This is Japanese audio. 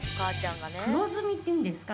黒ずみっていうんですか？